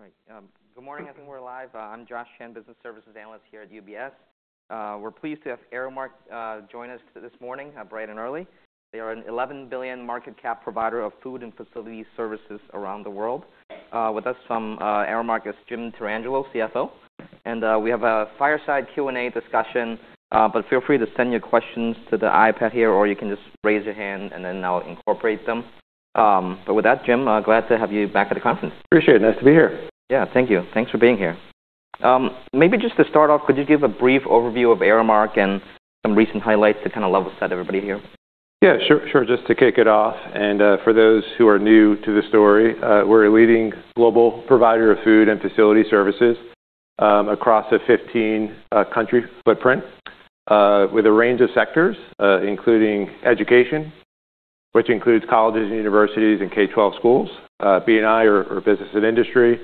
All right. Good morning everyone. We're live. I'm Josh Chan, business services analyst here at UBS. We're pleased to have Aramark join us this morning, bright and early. They are an $11 billion market cap provider of food and facility services around the world. With us from Aramark is Jim Tarangelo, CFO. We have a fireside Q&A discussion, but feel free to send your questions to the iPad here, or you can just raise your hand, and then I'll incorporate them. With that, Jim, glad to have you back at the conference. Appreciate it. Nice to be here. Yeah, thank you. Thanks for being here. Maybe just to start off, could you give a brief overview of Aramark and some recent highlights to kind of level set everybody here? Yeah, sure. Just to kick it off, for those who are new to the story, we're a leading global provider of food and facility services across a 15-country footprint with a range of sectors, including education, which includes colleges and universities and K-12 schools, B&I or business and industry,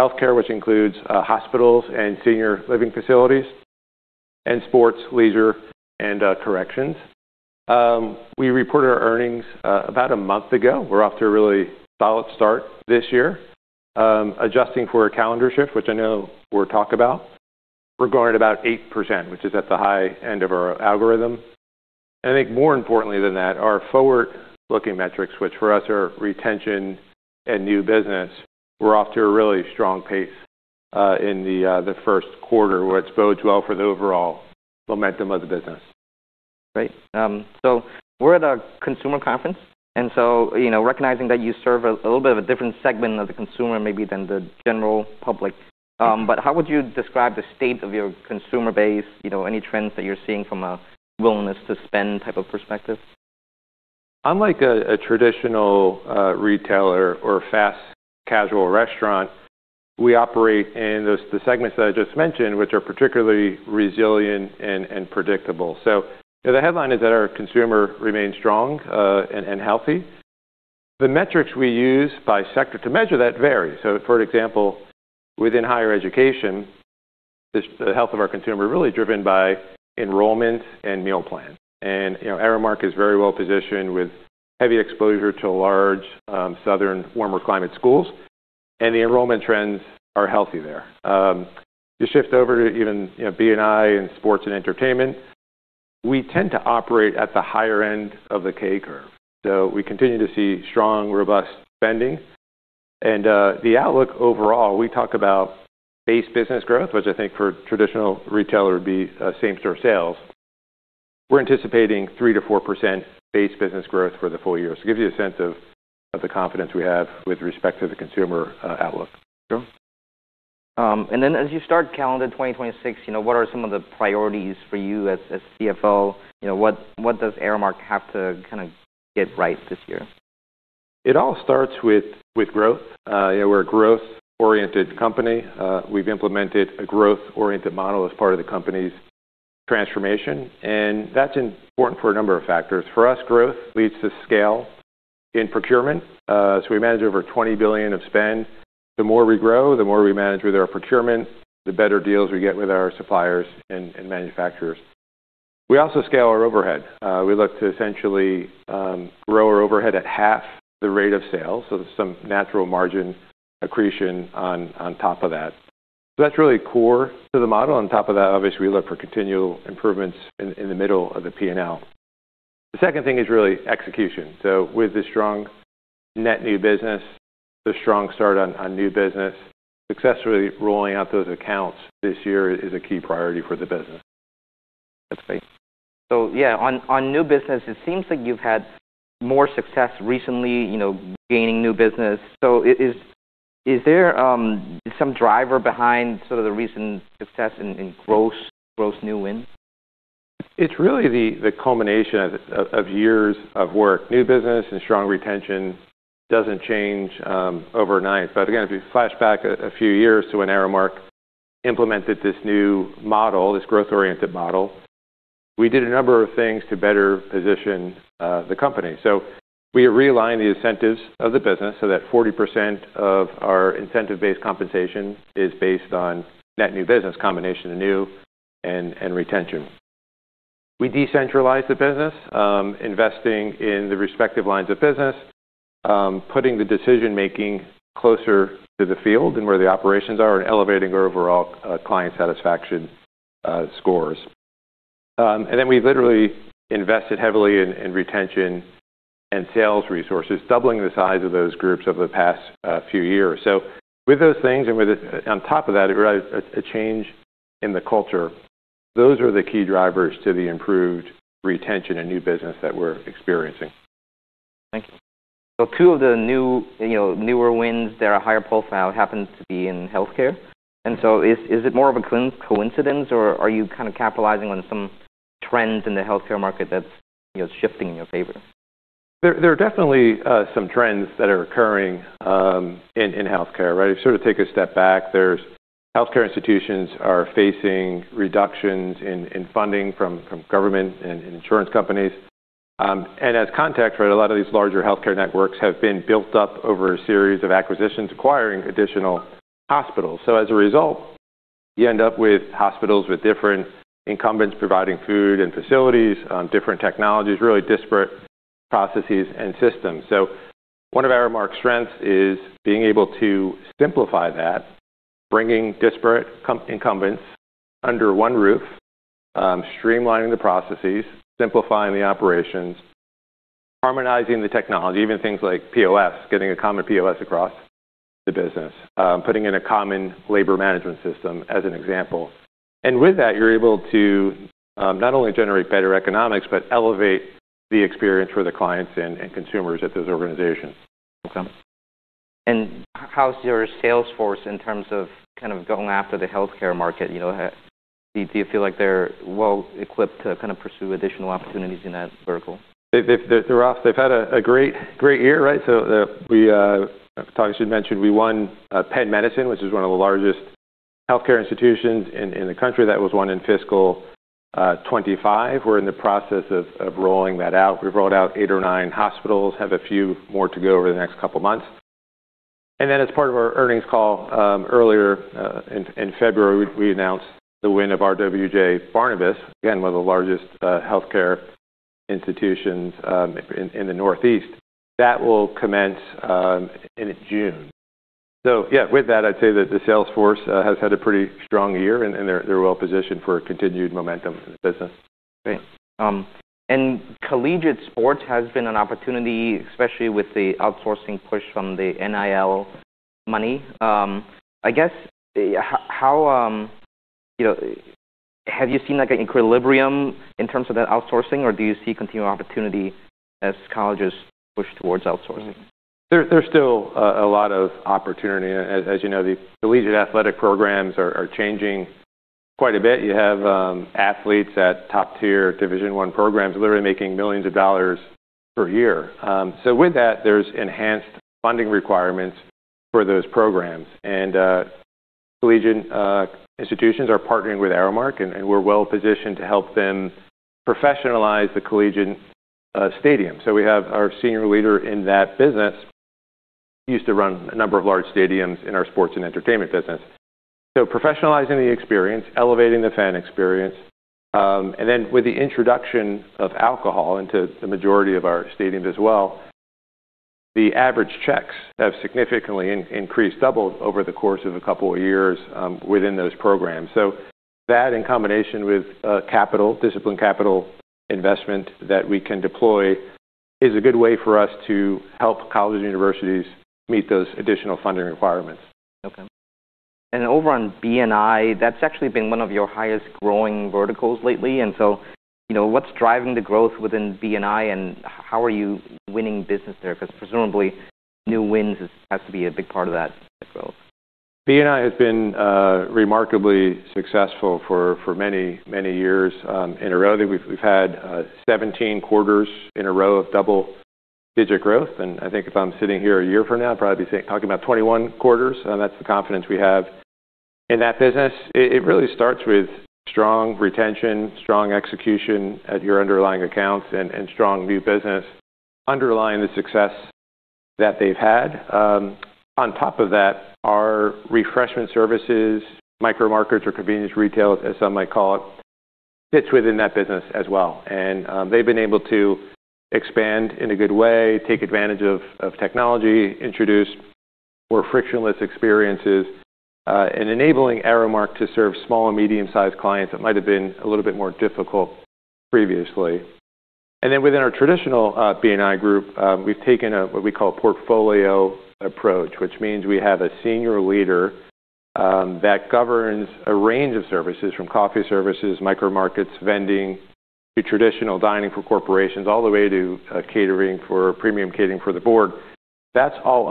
healthcare, which includes hospitals and senior living facilities, and sports, leisure and corrections. We reported our earnings about a month ago. We're off to a really solid start this year. Adjusting for a calendar shift, which I know we'll talk about. We're growing at about 8%, which is at the high end of our guidance. I think more importantly than that, our forward-looking metrics, which for us are retention and new business, we're off to a really strong pace in the first quarter, which bodes well for the overall momentum of the business. Great. We're at a consumer conference. You know, recognizing that you serve a little bit of a different segment of the consumer maybe than the general public. How would you describe the state of your consumer base? You know, any trends that you're seeing from a willingness to spend type of perspective? Unlike a traditional retailer or fast casual restaurant, we operate in those, the segments that I just mentioned, which are particularly resilient and predictable. The headline is that our consumer remains strong and healthy. The metrics we use by sector to measure that vary. For example, within higher education, the health of our consumer are really driven by enrollment and meal plan. You know, Aramark is very well-positioned with heavy exposure to large southern warmer climate schools, and the enrollment trends are healthy there. To shift over to even, you know, B&I and sports and entertainment, we tend to operate at the higher end of the J curve. We continue to see strong, robust spending. The outlook overall, we talk about base business growth, which I think for traditional retailer would be same store sales. We're anticipating 3%-4% base business growth for the full year. It gives you a sense of the confidence we have with respect to the consumer outlook. Sure. As you start calendar 2026, you know, what are some of the priorities for you as CFO? You know, what does Aramark have to kinda get right this year? It all starts with growth. You know, we're a growth-oriented company. We've implemented a growth-oriented model as part of the company's transformation, and that's important for a number of factors. For us, growth leads to scale in procurement. So we manage over $20 billion of spend. The more we grow, the more we manage with our procurement, the better deals we get with our suppliers and manufacturers. We also scale our overhead. We look to essentially grow our overhead at half the rate of sales, so some natural margin accretion on top of that. So that's really core to the model. On top of that, obviously, we look for continual improvements in the middle of the P&L. The second thing is really execution. With the strong net new business, the strong start on new business, successfully rolling out those accounts this year is a key priority for the business. That's great. Yeah, on new business, it seems like you've had more success recently, you know, gaining new business. Is there some driver behind sort of the recent success in gross new wins? It's really the culmination of years of work. New business and strong retention doesn't change overnight. Again, if you flash back a few years to when Aramark implemented this new model, this growth-oriented model, we did a number of things to better position the company. We realigned the incentives of the business so that 40% of our incentive-based compensation is based on net new business, combination of new and retention. We decentralized the business, investing in the respective lines of business, putting the decision-making closer to the field and where the operations are and elevating our overall client satisfaction scores. We literally invested heavily in retention and sales resources, doubling the size of those groups over the past few years. With those things, on top of that, it was a change in the culture. Those are the key drivers to the improved retention and new business that we're experiencing. Thank you. Two of the new, you know, newer wins that are higher profile now happens to be in healthcare. Is it more of a coincidence or are you kind of capitalizing on some trends in the healthcare market that's, you know, shifting in your favor? There are definitely some trends that are occurring in healthcare, right? If you sort of take a step back, there are healthcare institutions facing reductions in funding from government and insurance companies. As context, right, a lot of these larger healthcare networks have been built up over a series of acquisitions acquiring additional hospitals. You end up with hospitals with different incumbents providing food and facilities on different technologies, really disparate processes and systems. One of Aramark's strengths is being able to simplify that, bringing disparate incumbents under one roof, streamlining the processes, simplifying the operations, harmonizing the technology, even things like POS, getting a common POS across the business, putting in a common labor management system as an example. With that, you're able to not only generate better economics, but elevate the experience for the clients and consumers at those organizations. Okay. How's your sales force in terms of kind of going after the healthcare market, you know, do you feel like they're well equipped to kind of pursue additional opportunities in that vertical? They're off. They've had a great year, right? As Josh Chan just mentioned, we won Penn Medicine, which is one of the largest healthcare institutions in the country. That was won in fiscal 2025. We're in the process of rolling that out. We've rolled out eight or nine hospitals, have a few more to go over the next couple of months. Then as part of our earnings call earlier in February, we announced the win of RWJBarnabas, again, one of the largest healthcare institutions in the Northeast. That will commence in June. Yeah, with that, I'd say that the sales force has had a pretty strong year and they're well positioned for continued momentum in the business. Great. Collegiate sports has been an opportunity, especially with the outsourcing push from the NIL money. I guess, you know, have you seen like an equilibrium in terms of that outsourcing, or do you see continued opportunity as colleges push towards outsourcing? There's still a lot of opportunity. As you know, the collegiate athletic programs are changing quite a bit. You have athletes at top-tier Division I programs literally making millions of dollars per year. With that, there's enhanced funding requirements for those programs. Collegiate institutions are partnering with Aramark, and we're well-positioned to help them professionalize the collegiate stadium. We have our senior leader in that business, used to run a number of large stadiums in our sports and entertainment business. Professionalizing the experience, elevating the fan experience, and then with the introduction of alcohol into the majority of our stadiums as well, the average checks have significantly increased, doubled over the course of a couple of years, within those programs. That in combination with capital, disciplined capital investment that we can deploy is a good way for us to help colleges and universities meet those additional funding requirements. Okay. Over on B&I, that's actually been one of your highest growing verticals lately. You know, what's driving the growth within B&I, and how are you winning business there? 'Cause presumably, new wins has to be a big part of that growth. B&I has been remarkably successful for many years in a row. I think we've had 17 quarters in a row of double-digit growth. I think if I'm sitting here a year from now, I'd probably be saying 21 quarters. That's the confidence we have in that business. It really starts with strong retention, strong execution at your underlying accounts and strong new business underlying the success that they've had. On top of that, our refreshment services, micro markets or convenience retail, as some might call it, fits within that business as well. They've been able to expand in a good way, take advantage of technology, introduce more frictionless experiences and enabling Aramark to serve small and medium-sized clients that might have been a little bit more difficult previously. Within our traditional B&I group, we've taken what we call a portfolio approach, which means we have a senior leader that governs a range of services from coffee services, micro markets, vending, to traditional dining for corporations, all the way to catering for premium catering for the board. That's all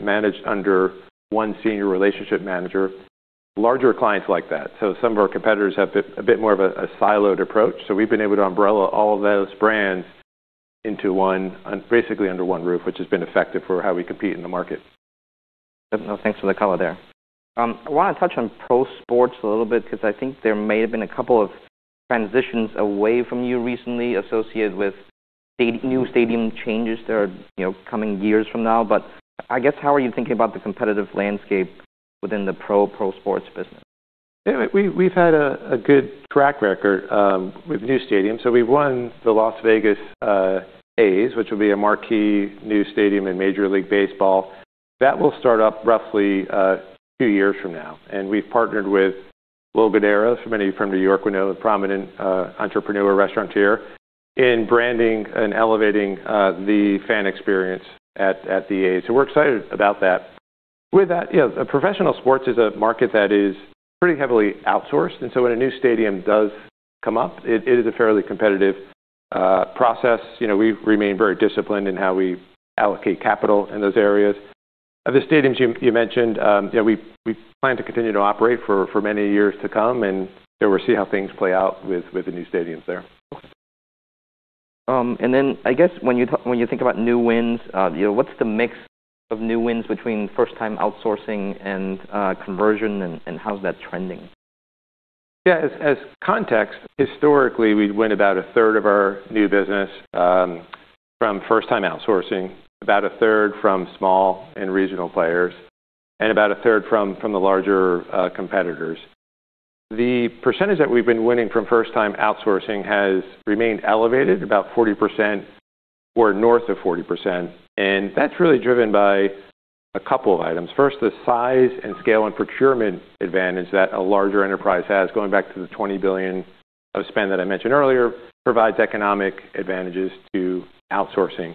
managed under one senior relationship manager. Larger clients like that. Some of our competitors have a bit more of a siloed approach. We've been able to umbrella all of those brands into one, basically under one roof, which has been effective for how we compete in the market. No, thanks for the color there. I wanna touch on pro sports a little bit because I think there may have been a couple of transitions away from you recently associated with new stadium changes that are, you know, coming years from now. I guess, how are you thinking about the competitive landscape within the pro sports business? Yeah, we've had a good track record with new stadiums. We won the Las Vegas Athletics, which will be a marquee new stadium in Major League Baseball. That will start up roughly two years from now. We've partnered with Will Guidara, for many from New York would know, a prominent entrepreneur restaurateur, in branding and elevating the fan experience at the Athletics. We're excited about that. With that, you know, professional sports is a market that is pretty heavily outsourced. When a new stadium does come up, it is a fairly competitive process. You know, we remain very disciplined in how we allocate capital in those areas. The stadiums you mentioned, yeah, we plan to continue to operate for many years to come, and then we'll see how things play out with the new stadiums there. I guess when you think about new wins, you know, what's the mix of new wins between first-time outsourcing and conversion, and how is that trending? Yeah. As context, historically, we'd win about one-third of our new business from first time outsourcing, about one-third from small and regional players, and about one-third from the larger competitors. The percentage that we've been winning from first time outsourcing has remained elevated, about 40% or north of 40%. That's really driven by a couple of items. First, the size and scale and procurement advantage that a larger enterprise has, going back to the $20 billion of spend that I mentioned earlier, provides economic advantages to outsourcing.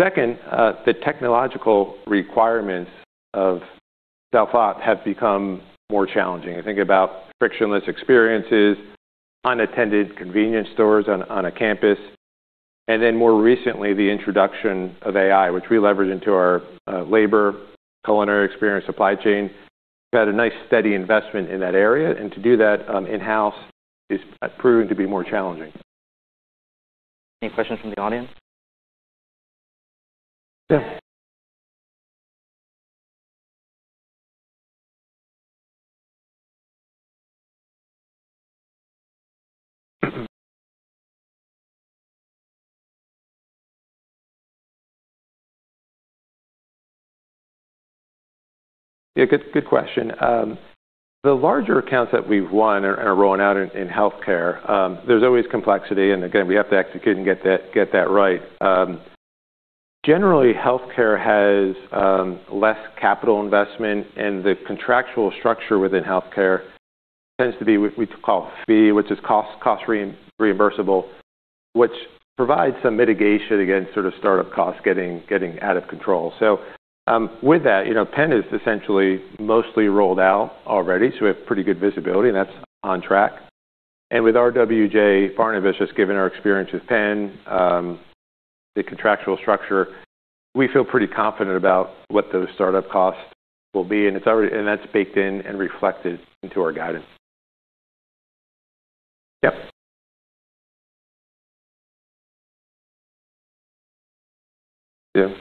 Second, the technological requirements of self-op have become more challenging. I think about frictionless experiences, unattended convenience stores on a campus, and then more recently, the introduction of AI, which we leverage into our labor, culinary experience, supply chain. We've had a nice steady investment in that area, and to do that, in-house is proving to be more challenging. Any questions from the audience? Yeah. Good question. The larger accounts that we've won and are rolling out in healthcare, there's always complexity and again, we have to execute and get that right. Generally, healthcare has less capital investment, and the contractual structure within healthcare tends to be what we call fee, which is cost reimbursable, which provides some mitigation against sort of start-up costs getting out of control. With that, you know, Penn is essentially mostly rolled out already, so we have pretty good visibility, and that's on track. With RWJBarnabas, just given our experience with Penn, the contractual structure, we feel pretty confident about what those start-up costs will be. It's already baked in and reflected into our guidance. Yep. Yeah.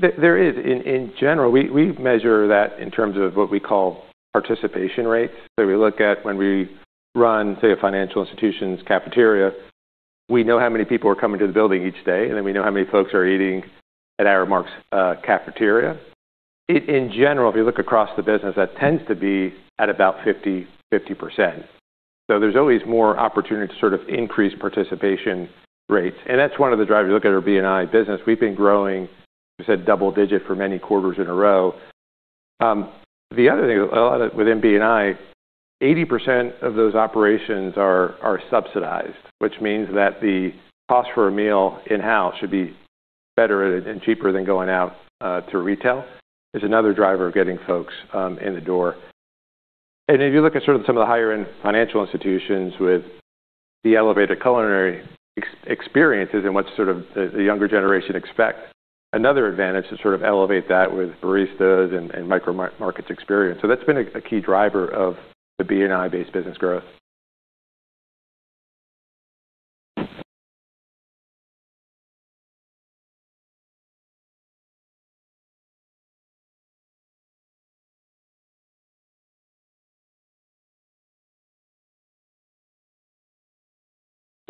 There is. In general, we measure that in terms of what we call participation rates. We look at when we run, say, a financial institution's cafeteria. We know how many people are coming to the building each day, and then we know how many folks are eating at Aramark's cafeteria. In general, if you look across the business, that tends to be at about 50%. There's always more opportunity to sort of increase participation rates. That's one of the drivers. You look at our B&I business. We've been growing, as I said, double-digit for many quarters in a row. The other thing, a lot of within B&I, 80% of those operations are subsidized, which means that the cost for a meal in-house should be better and cheaper than going out to retail is another driver of getting folks in the door. If you look at sort of some of the higher end financial institutions with the elevated culinary experiences and what sort of the younger generation expect, another advantage to sort of elevate that with baristas and micro markets experience. That's been a key driver of the B&I-based business growth.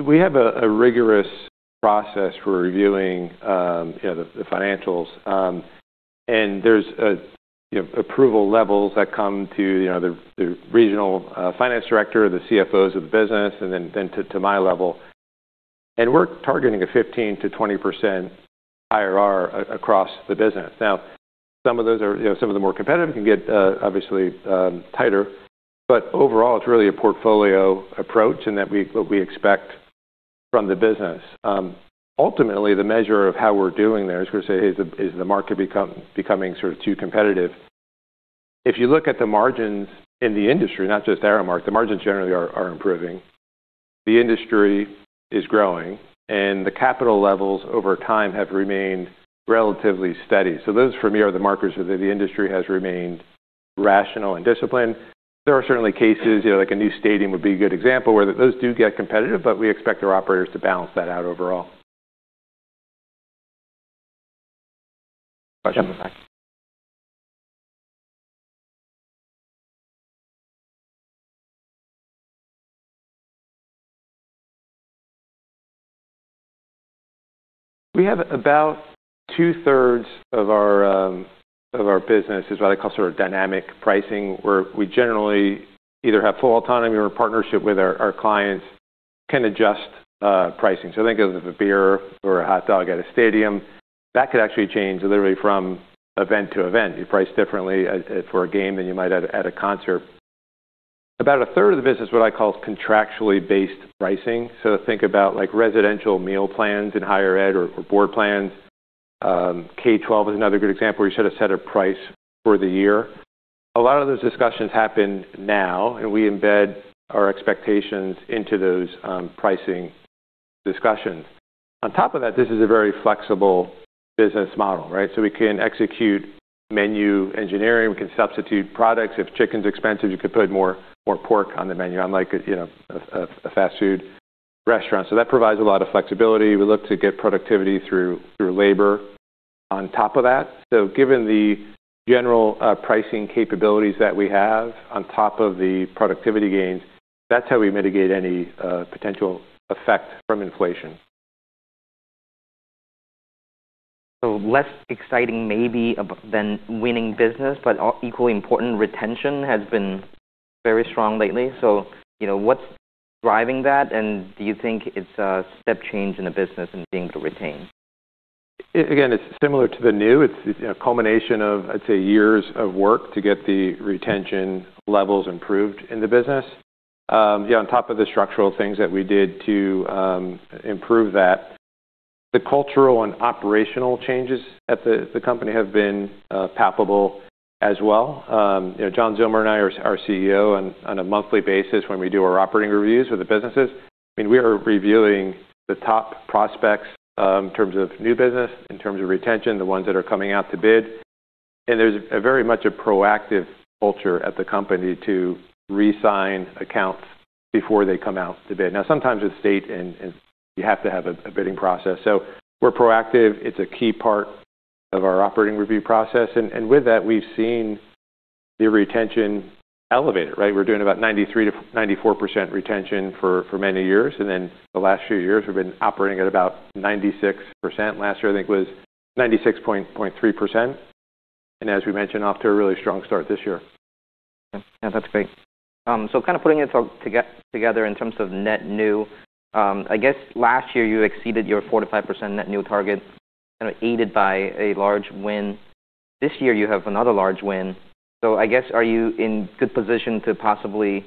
We have a rigorous process for reviewing, you know, the financials. There's you know approval levels that come to you know the regional finance director, the CFOs of the business, and then to my level. We're targeting a 15%-20% IRR across the business. Now, some of those are, you know, some of the more competitive can get obviously tighter, but overall, it's really a portfolio approach and what we expect from the business. Ultimately, the measure of how we're doing there is we say, "Is the market becoming sort of too competitive?" If you look at the margins in the industry, not just Aramark, the margins generally are improving. The industry is growing, and the capital levels over time have remained relatively steady. So those for me are the markers of the industry has remained rational and disciplined. There are certainly cases, you know, like a new stadium would be a good example, where those do get competitive, but we expect our operators to balance that out overall. Gotcha. We have about two-thirds of our business is what I call sort of dynamic pricing, where we generally either have full autonomy or partnership with our clients, can adjust pricing. So think of a beer or a hot dog at a stadium. That could actually change literally from event to event. You price differently at a game than you might at a concert. About a third of the business is what I call contractually based pricing. So think about like residential meal plans in higher ed or board plans. K-12 is another good example. We set a price for the year. A lot of those discussions happen now, and we embed our expectations into those pricing discussion. On top of that, this is a very flexible business model, right? We can execute menu engineering, we can substitute products. If chicken's expensive, you could put more pork on the menu unlike a, you know, fast food restaurant. That provides a lot of flexibility. We look to get productivity through labor on top of that. Given the general pricing capabilities that we have on top of the productivity gains, that's how we mitigate any potential effect from inflation. Less exciting maybe than winning business, but equally important, retention has been very strong lately. You know, what's driving that, and do you think it's a step change in the business in being able to retain? Again, it's similar to the new. It's, you know, culmination of, I'd say, years of work to get the retention levels improved in the business. On top of the structural things that we did to improve that. The cultural and operational changes at the company have been palpable as well. You know, John Zillmer, our CEO, and I on a monthly basis when we do our operating reviews with the businesses. I mean, we are reviewing the top prospects in terms of new business, in terms of retention, the ones that are coming out to bid. There's very much a proactive culture at the company to reassign accounts before they come out to bid. Now, sometimes it's state and you have to have a bidding process. We're proactive. It's a key part of our operating review process. With that, we've seen the retention elevated, right? We're doing about 93%-94% retention for many years. The last few years, we've been operating at about 96%. Last year, I think, was 96.3%. As we mentioned, off to a really strong start this year. Yeah. Yeah, that's great. Kind of putting it all together in terms of net new, I guess last year you exceeded your 4%-5% net new target, kind of aided by a large win. This year you have another large win. I guess, are you in good position to possibly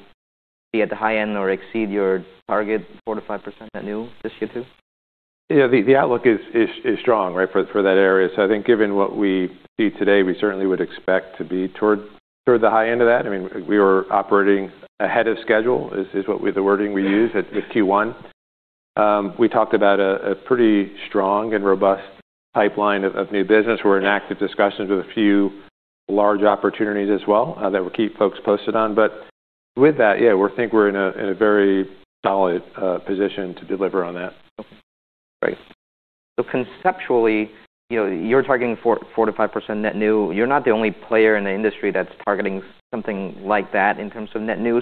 be at the high end or exceed your target 4%-5% net new this year too? Yeah, the outlook is strong, right, for that area. I think given what we see today, we certainly would expect to be toward the high end of that. I mean, we were operating ahead of schedule, the wording we use at Q1. We talked about a pretty strong and robust pipeline of new business. We're in active discussions with a few large opportunities as well, that we'll keep folks posted on. With that, yeah, we think we're in a very solid position to deliver on that. Great. Conceptually, you know, you're targeting 4%-5% net new. You're not the only player in the industry that's targeting something like that in terms of net new.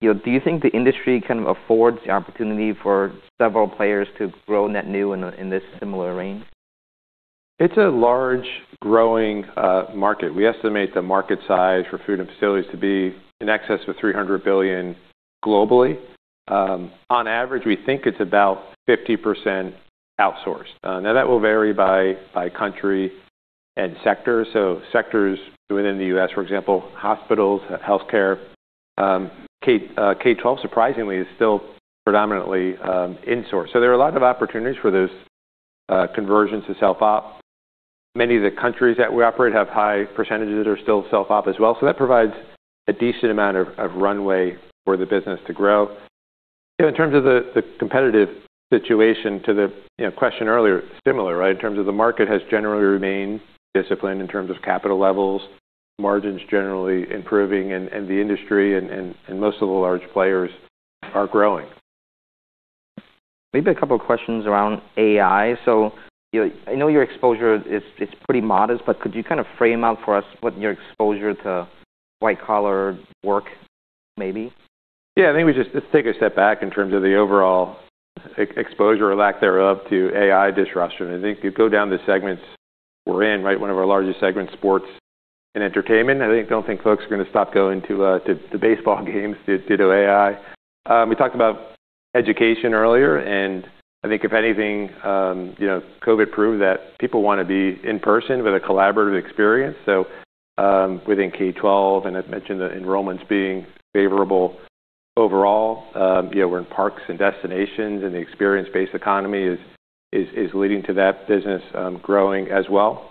You know, do you think the industry can afford the opportunity for several players to grow net new in this similar range? It's a large growing market. We estimate the market size for food and facilities to be in excess of $300 billion globally. On average, we think it's about 50% outsourced. Now that will vary by country and sector. Sectors within the U.S., for example, hospitals, healthcare, K-12 surprisingly is still predominantly insourced. There are a lot of opportunities for those conversions to self-op. Many of the countries that we operate have high percentages that are still self-op as well. That provides a decent amount of runway for the business to grow. In terms of the competitive situation to the, you know, question earlier, similar, right, in terms of the market has generally remained disciplined in terms of capital levels, margins generally improving and the industry and most of the large players are growing. Maybe a couple of questions around AI. You know, I know your exposure is, it's pretty modest, but could you kind of frame out for us what your exposure to white-collar work may be? Yeah. I think we just take a step back in terms of the overall exposure or lack thereof to AI disruption. I think if you go down the segments we're in, right? One of our largest segments, sports and entertainment. I don't think folks are gonna stop going to baseball games due to AI. We talked about education earlier, and I think if anything, you know, COVID proved that people wanna be in person with a collaborative experience. Within K-12, and I've mentioned the enrollments being favorable overall. Yeah, we're in parks and destinations, and the experience-based economy is leading to that business growing as well.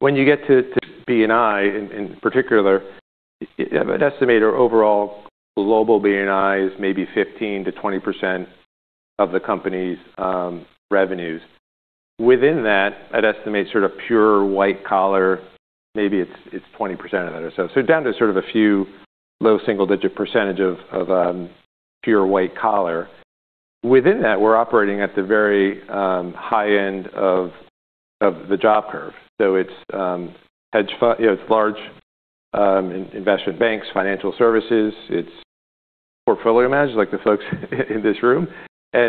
When you get to B&I, in particular, I'd estimate our overall global B&I is maybe 15%-20% of the company's revenues. Within that, I'd estimate sort of pure white collar, maybe it's 20% of that. Down to sort of a few low single-digit percentage of pure white collar. Within that, we're operating at the very high end of the J curve. It's you know, it's large investment banks, financial services, it's portfolio managers, like the folks in this room. You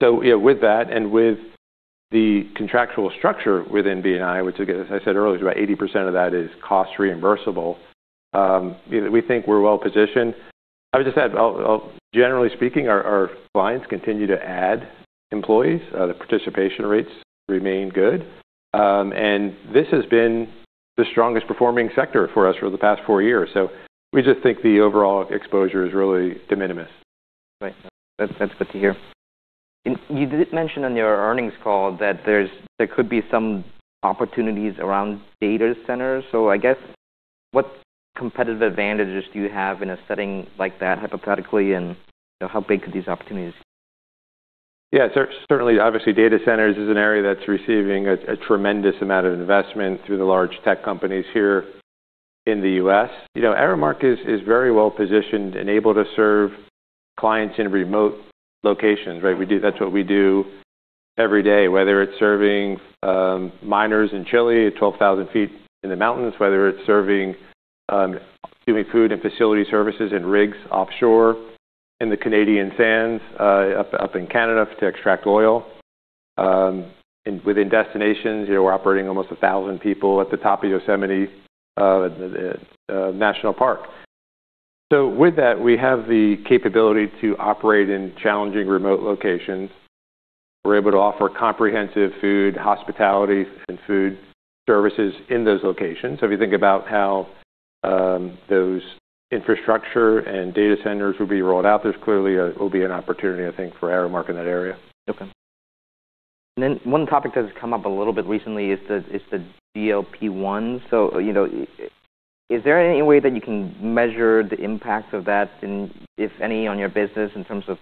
know, with that and with the contractual structure within B&I, which, as I said earlier, is about 80% of that is cost reimbursable, you know, we think we're well positioned. I would just add, generally speaking, our clients continue to add employees. The participation rates remain good. This has been the strongest performing sector for us for the past four years. We just think the overall exposure is really de minimis. Right. That's good to hear. You did mention on your earnings call that there could be some opportunities around data centers. I guess, what competitive advantages do you have in a setting like that, hypothetically, and how big could these opportunities be? Certainly, obviously, data centers is an area that's receiving a tremendous amount of investment through the large tech companies here in the U.S. You know, Aramark is very well positioned and able to serve clients in remote locations, right? That's what we do every day, whether it's serving miners in Chile at 12,000 feet in the mountains, whether it's serving doing food and facility services in rigs offshore in the Canadian oil sands up in Canada to extract oil. Within destinations, you know, we're operating almost 1,000 people at the top of Yosemite National Park. With that, we have the capability to operate in challenging remote locations. We're able to offer comprehensive food, hospitality, and food services in those locations. If you think about how those infrastructure and data centers will be rolled out, there will be an opportunity, I think, for Aramark in that area. Okay. One topic that has come up a little bit recently is the GLP-1. You know, is there any way that you can measure the impact of that and if any, on your business in terms of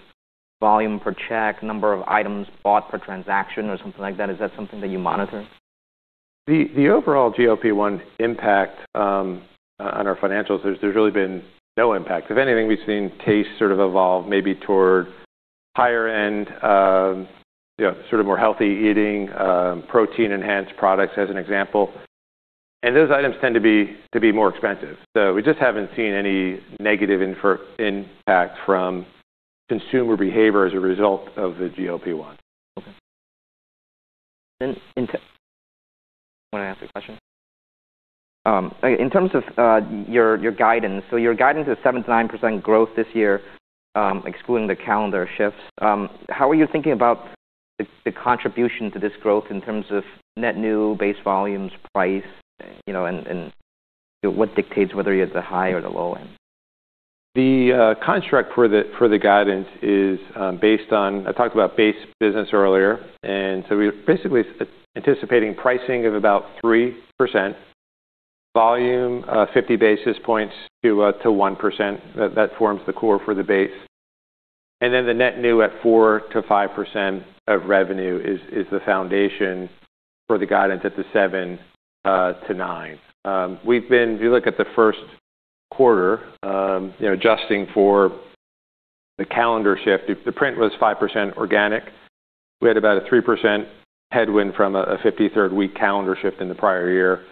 volume per check, number of items bought per transaction or something like that? Is that something that you monitor? The overall GLP-1 impact on our financials, there's really been no impact. If anything, we've seen taste sort of evolve maybe toward higher end, you know, sort of more healthy eating, protein enhanced products as an example. Those items tend to be more expensive. We just haven't seen any negative impact from consumer behavior as a result of the GLP-1. Okay. You wanna ask a question? In terms of your guidance. Your guidance is 7%-9% growth this year, excluding the calendar shifts. How are you thinking about the contribution to this growth in terms of net new base volumes, price, you know, and what dictates whether you're at the high or the low end? The construct for the guidance is based on. I talked about base business earlier, so we're basically anticipating pricing of about 3%. Volume, 50 basis points to 1%. That forms the core for the base. The net new at 4%-5% of revenue is the foundation for the guidance at the 7%-9%. If you look at the first quarter, you know, adjusting for the calendar shift, the print was 5% organic. We had about a 3% headwind from a 53rd week calendar shift in the prior year.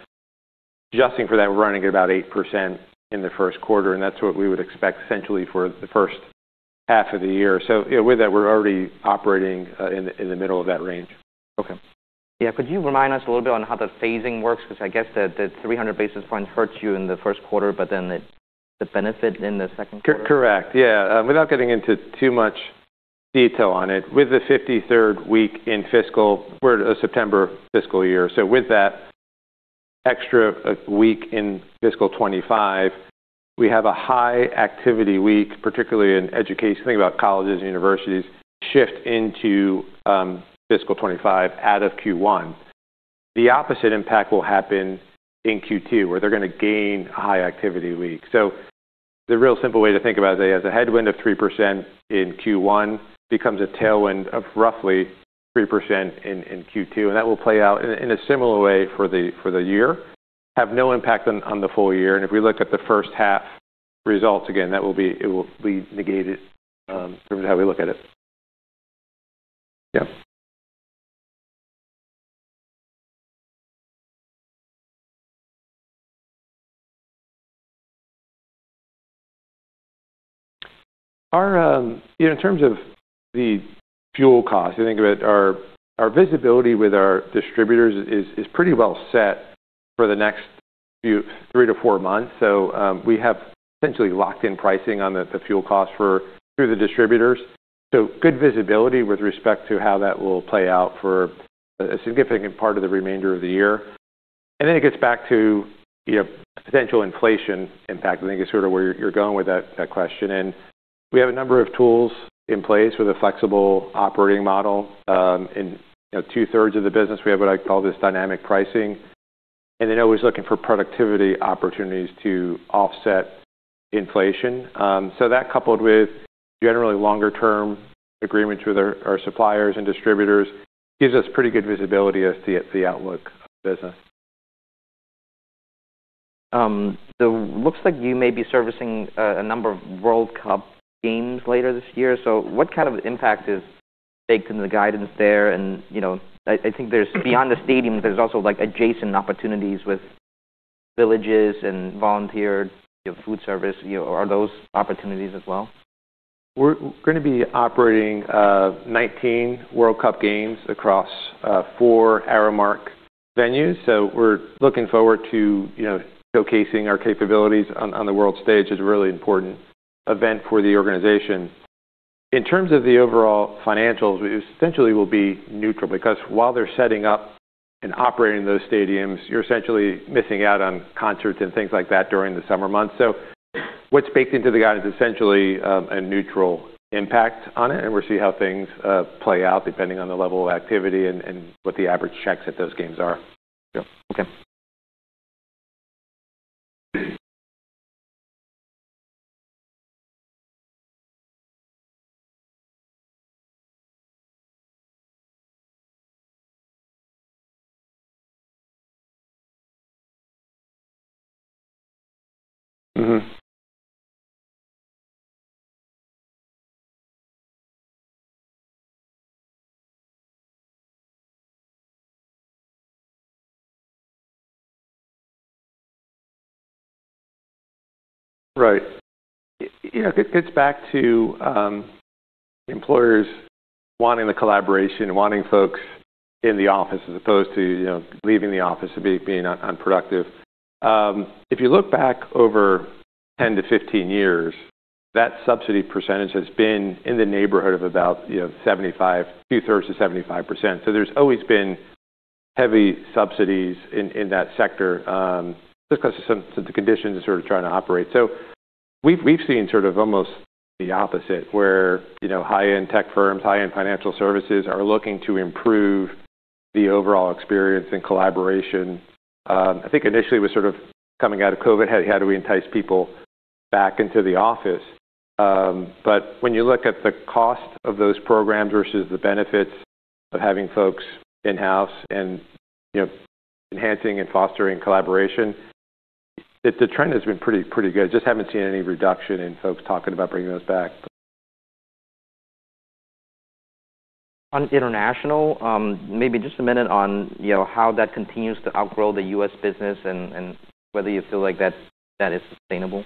Adjusting for that, we're running at about 8% in the first quarter, and that's what we would expect essentially for the first half of the year. You know, with that, we're already operating in the middle of that range. Okay. Yeah. Could you remind us a little bit on how the phasing works? Because I guess the 300 basis points hurts you in the first quarter, but then it benefit in the second quarter. Correct. Yeah. Without getting into too much detail on it, with the 53rd week in fiscal. We're a September fiscal year. So with that extra week in fiscal 2025, we have a high activity week, particularly in education. Think about colleges and universities shift into fiscal 2025 out of Q1. The opposite impact will happen in Q2, where they're gonna gain a high activity week. So the real simple way to think about it is a headwind of 3% in Q1 becomes a tailwind of roughly 3% in Q2, and that will play out in a similar way for the year. Have no impact on the full year. If we look at the first half results, again, that will be negated from how we look at it. Yeah. In terms of the fuel cost, you think about our visibility with our distributors is pretty well set for the next few 3-4 months. We have essentially locked in pricing on the fuel cost through the distributors. Good visibility with respect to how that will play out for a significant part of the remainder of the year. It gets back to, you know, potential inflation impact, I think is sort of where you're going with that question. We have a number of tools in place with a flexible operating model, in, you know, two-thirds of the business, we have what I call this dynamic pricing, and then always looking for productivity opportunities to offset inflation. That coupled with generally longer term agreements with our suppliers and distributors gives us pretty good visibility as to the outlook of the business. Looks like you may be servicing a number of World Cup games later this year. What kind of impact is baked into the guidance there? You know, I think there's beyond the stadiums, there's also like adjacent opportunities with villages and volunteer, you know, food service. You know, are those opportunities as well? We're gonna be operating 19 World Cup games across 4 Aramark venues. We're looking forward to, you know, showcasing our capabilities on the world stage. It's a really important event for the organization. In terms of the overall financials, it essentially will be neutral because while they're setting up and operating those stadiums, you're essentially missing out on concerts and things like that during the summer months. What's baked into the guide is essentially a neutral impact on it, and we'll see how things play out depending on the level of activity and what the average checks at those games are. Yeah. Okay. Right. You know, it gets back to employers wanting the collaboration, wanting folks in the office as opposed to, you know, leaving the office and being unproductive. If you look back over 10-15 years, that subsidy percentage has been in the neighborhood of about, you know, 75, two-thirds to 75%. There's always been heavy subsidies in that sector, just 'cause of some of the conditions they're sort of trying to operate. We've seen sort of almost the opposite, where, you know, high-end tech firms, high-end financial services are looking to improve the overall experience and collaboration. I think initially it was sort of coming out of COVID. How do we entice people back into the office? When you look at the cost of those programs versus the benefits of having folks in-house and, you know, enhancing and fostering collaboration, the trend has been pretty good. Just haven't seen any reduction in folks talking about bringing those back. On international, maybe just a minute on, you know, how that continues to outgrow the U.S. business and whether you feel like that is sustainable.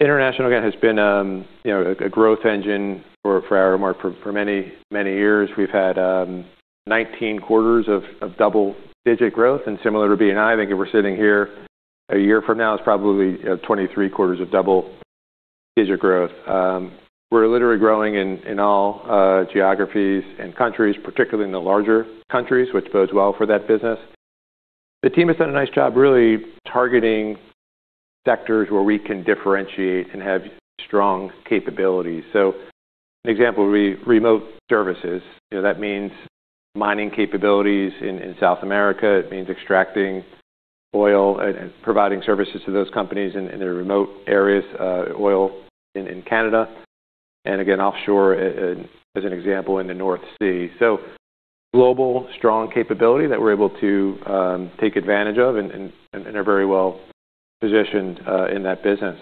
International, again, has been, you know, a growth engine for Aramark for many years. We've had 19 quarters of double-digit growth. Similar to B&I think if we're sitting here a year from now, it's probably 23 quarters of double-digit growth. We're literally growing in all geographies and countries, particularly in the larger countries, which bodes well for that business. The team has done a nice job really targeting sectors where we can differentiate and have strong capabilities. An example would be remote services. You know, that means mining capabilities in South America. It means extracting oil and providing services to those companies in the remote areas, oil in Canada, and again, offshore, as an example, in the North Sea. Global strong capability that we're able to take advantage of and are very well-positioned in that business.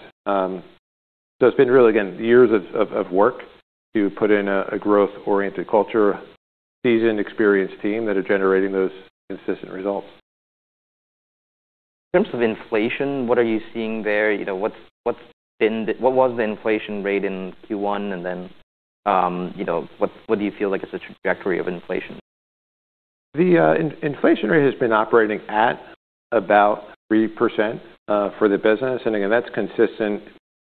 It's been really, again, years of work to put in a growth-oriented culture, seasoned, experienced team that are generating those consistent results. In terms of inflation, what are you seeing there? You know, what was the inflation rate in Q1? You know, what do you feel like is the trajectory of inflation? The inflation rate has been operating at about 3% for the business. Again, that's consistent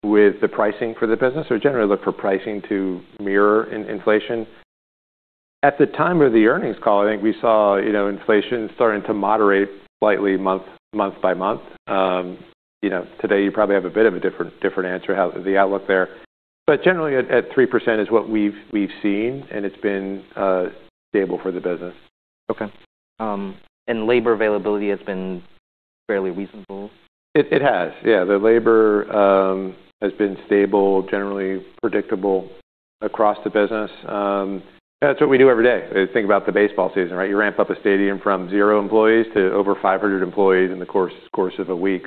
with the pricing for the business. We generally look for pricing to mirror inflation. At the time of the earnings call, I think we saw, you know, inflation starting to moderate slightly month by month. You know, today you probably have a bit of a different answer on the outlook there. Generally 3% is what we've seen, and it's been stable for the business. Okay. Labor availability has been fairly reasonable? It has. Yeah. The labor has been stable, generally predictable across the business. That's what we do every day. Think about the baseball season, right? You ramp up a stadium from 0 employees to over 500 employees in the course of a week.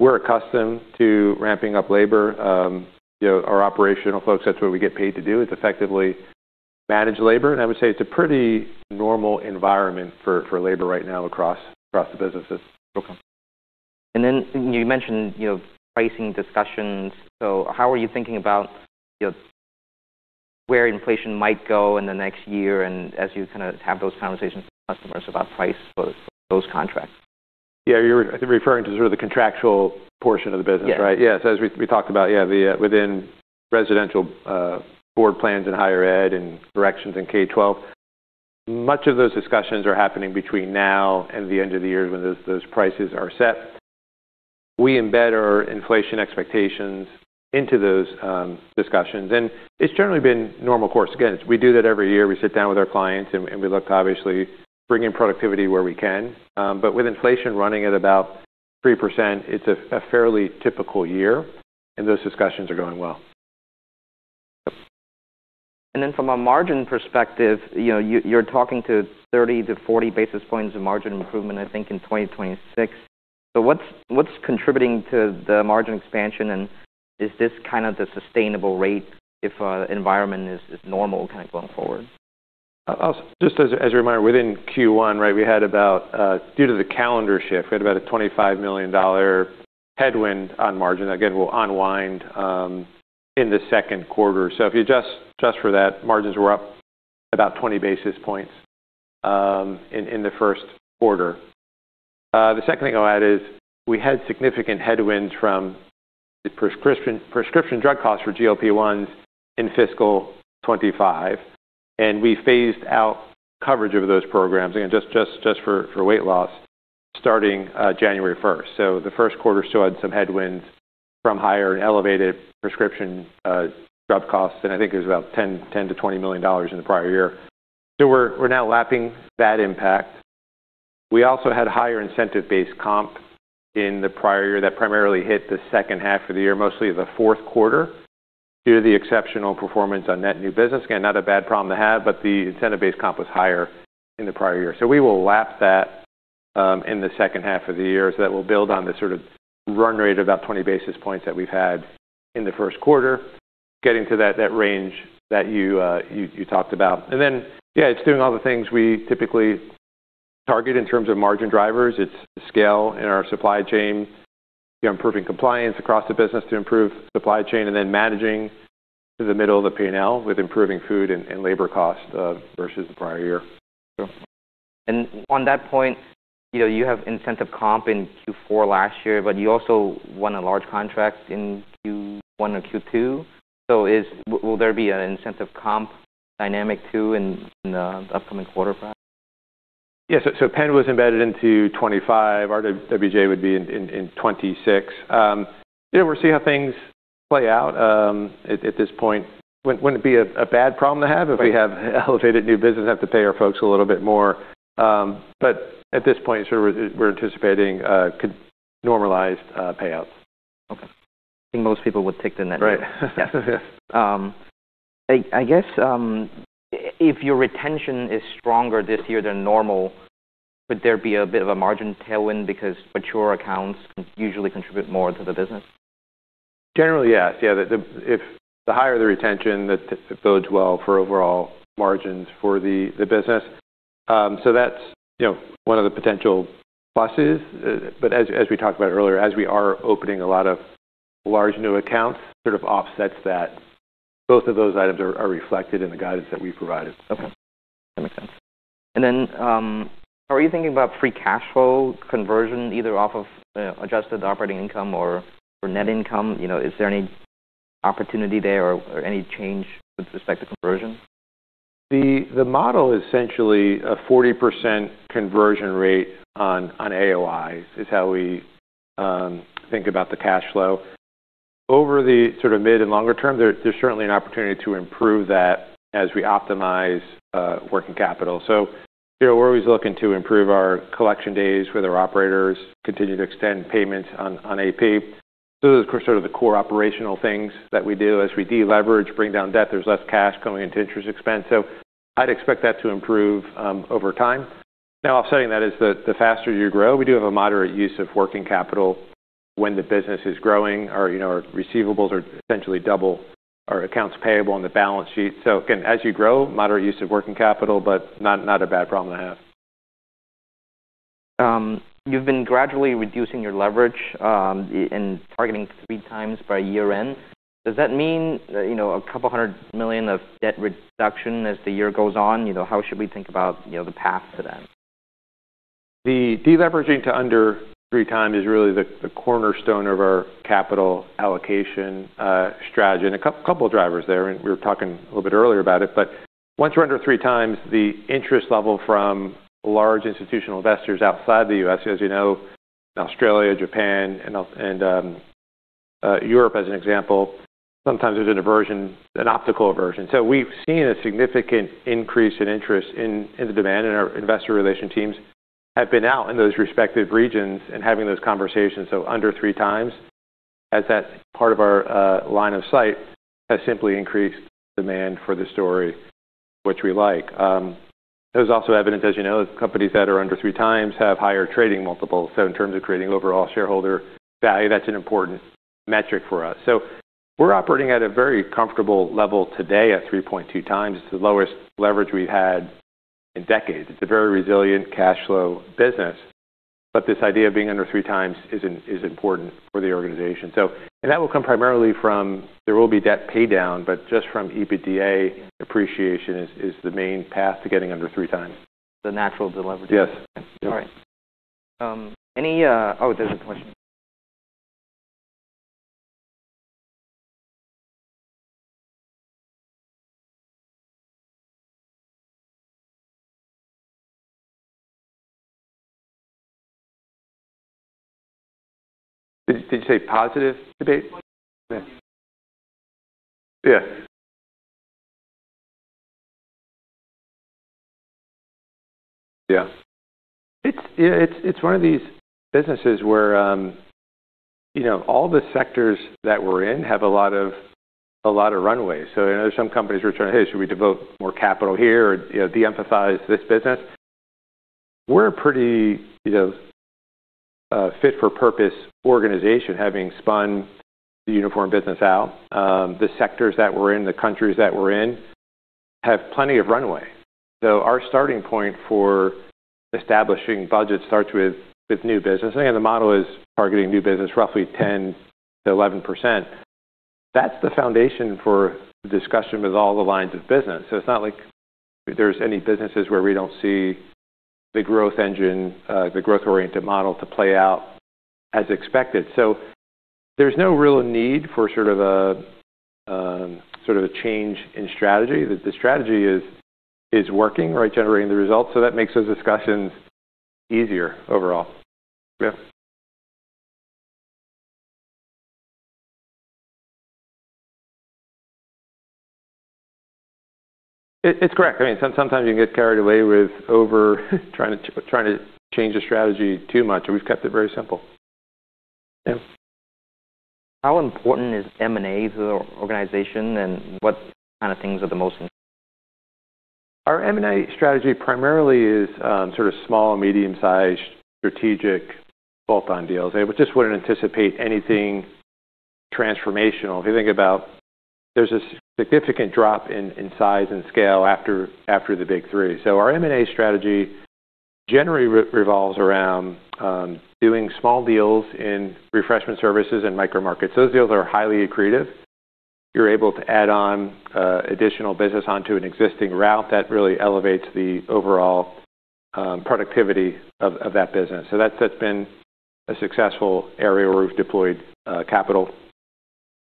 We're accustomed to ramping up labor. You know, our operational folks, that's what we get paid to do, is effectively manage labor. I would say it's a pretty normal environment for labor right now across the businesses. Okay. You mentioned, you know, pricing discussions. How are you thinking about, you know, where inflation might go in the next year and as you kind of have those conversations with customers about price for those contracts? Yeah. You're, I think, referring to sort of the contractual portion of the business, right? Yes. Yeah. As we talked about, within residential board plans and higher ed and corrections and K-12, much of those discussions are happening between now and the end of the year when those prices are set. We embed our inflation expectations into those discussions, and it's generally been normal course. Again, it's. We do that every year. We sit down with our clients and we look to obviously bring in productivity where we can. With inflation running at about 3%, it's a fairly typical year, and those discussions are going well. From a margin perspective, you know, you're talking to 30-40 basis points of margin improvement, I think, in 2026. What's contributing to the margin expansion, and is this kind of the sustainable rate if the environment is normal kind of going forward? Just as a reminder, within Q1, right, due to the calendar shift, we had about a $25 million headwind on margin. Again, we'll unwind in the second quarter. If you adjust for that, margins were up about 20 basis points in the first quarter. The second thing I'll add is we had significant headwinds from prescription drug costs for GLP-1s in fiscal 2025, and we phased out coverage of those programs again, just for weight loss starting January first. The first quarter still had some headwinds from higher and elevated prescription drug costs, and I think it was about $10-$20 million in the prior year. We're now lapping that impact. We also had higher incentive-based comp in the prior year that primarily hit the second half of the year, mostly the fourth quarter, due to the exceptional performance on net new business. Again, not a bad problem to have, but the incentive-based comp was higher in the prior year. We will lap that in the second half of the year. That will build on the sort of run rate of about 20 basis points that we've had in the first quarter, getting to that range that you talked about. Then, yeah, it's doing all the things we typically target in terms of margin drivers. It's scale in our supply chain, you know, improving compliance across the business to improve supply chain, and then managing to the middle of the P&L with improving food and labor cost versus the prior year. On that point, you know, you have incentive comp in Q4 last year, but you also won a large contract in Q1 or Q2. Will there be an incentive comp dynamic too in upcoming quarter, Pat? Yes. Penn was embedded into 2025. RWJBarnabas would be in 2026. You know, we'll see how things play out at this point. Wouldn't be a bad problem to have if we have elevated new business, have to pay our folks a little bit more. At this point, sure, we're anticipating a normalized payout. Okay. I think most people would take the net new. Right. Yeah. I guess if your retention is stronger this year than normal, would there be a bit of a margin tailwind because mature accounts usually contribute more to the business? Generally, yes. Yeah. If the higher the retention, that bodes well for overall margins for the business. That's, you know, one of the potential pluses. As we talked about earlier, as we are opening a lot of large new accounts, sort of offsets that both of those items are reflected in the guidance that we've provided. Okay. That makes sense. Are you thinking about free cash flow conversion either off of adjusted operating income or net income? You know, is there any opportunity there or any change with respect to conversion? The model is essentially a 40% conversion rate on AOIs, is how we think about the cash flow. Over the sort of mid and longer term, there's certainly an opportunity to improve that as we optimize working capital. You know, we're always looking to improve our collection days with our operators, continue to extend payments on AP. Those are sort of the core operational things that we do. As we deleverage, bring down debt, there's less cash going into interest expense. I'd expect that to improve over time. Now, offsetting that is the faster you grow, we do have a moderate use of working capital when the business is growing or, you know, our receivables are essentially double our accounts payable on the balance sheet. As you grow, moderate use of working capital, but not a bad problem to have. You've been gradually reducing your leverage in targeting three times by year-end. Does that mean, you know, $200 million of debt reduction as the year goes on? You know, how should we think about, you know, the path to that? The deleveraging to under 3x is really the cornerstone of our capital allocation strategy. A couple drivers there, and we were talking a little bit earlier about it. Once you're under 3x the interest level from large institutional investors outside the U.S., as you know, Australia, Japan and Europe, as an example, sometimes there's an aversion, an optical aversion. We've seen a significant increase in interest in the demand, and our investor relations teams have been out in those respective regions and having those conversations. Under 3x as that part of our line of sight has simply increased demand for the story, which we like. There's also evidence, as you know, companies that are under 3x have higher trading multiples. In terms of creating overall shareholder value, that's an important metric for us. We're operating at a very comfortable level today at 3.2x. It's the lowest leverage we've had in decades. It's a very resilient cash flow business. This idea of being under 3x is important for the organization. That will come primarily from there will be debt paydown, but just from EBITDA appreciation is the main path to getting under 3x. The natural deleveraging. Yes. All right. Oh, there's a question. Did you say positive debate? Yes. It's, you know, one of these businesses where, you know, all the sectors that we're in have a lot of runways. Some companies are trying to, "Hey, should we devote more capital here or, you know, de-emphasize this business?" We're a pretty, you know, fit for purpose organization, having spun the uniform business out. The sectors that we're in, the countries that we're in have plenty of runway. Our starting point for establishing budget starts with new business. Again, the model is targeting new business roughly 10%-11%. That's the foundation for discussion with all the lines of business. It's not like there's any businesses where we don't see the growth engine, the growth-oriented model to play out as expected. There's no real need for sort of a change in strategy. The strategy is working, right? Generating the results. That makes those discussions easier overall. Yeah. It's correct. I mean, sometimes you can get carried away with over trying to change the strategy too much, and we've kept it very simple. Yeah. How important is M&A to the organization, and what kind of things are the most important? Our M&A strategy primarily is sort of small, medium-sized strategic bolt-on deals. I just wouldn't anticipate anything transformational. If you think about, there's a significant drop in size and scale after the big three. Our M&A strategy generally revolves around doing small deals in refreshment services and micro markets. Those deals are highly accretive. You're able to add on additional business onto an existing route that really elevates the overall productivity of that business. That's been a successful area where we've deployed capital.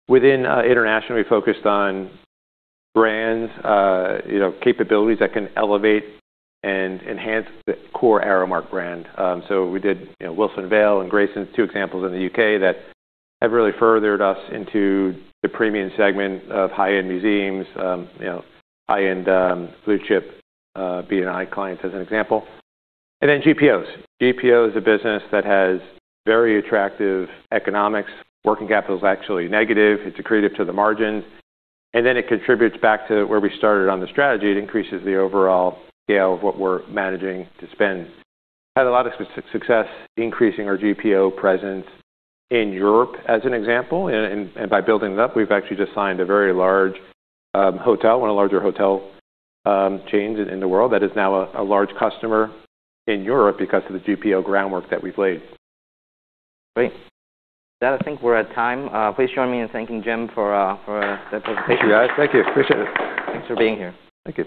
Within international, we focused on brands, you know, capabilities that can elevate and enhance the core Aramark brand. We did, you know, Wilson Vale and Graysons, two examples in the UK that have really furthered us into the premium segment of high-end museums, you know, high-end, blue-chip, B&I clients, as an example. GPOs. GPO is a business that has very attractive economics. Working capital is actually negative. It's accretive to the margin, and then it contributes back to where we started on the strategy. It increases the overall scale of what we're managing to spend. Had a lot of success increasing our GPO presence in Europe, as an example. By building it up, we've actually just signed a very large hotel, one of the larger hotel chains in the world that is now a large customer in Europe because of the GPO groundwork that we've laid. Great. With that, I think we're at time. Please join me in thanking Jim for that presentation. Thank you, guys. Thank you. Appreciate it. Thanks for being here. Thank you.